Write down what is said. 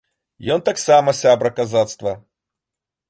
Ён таксама сябра казацтва.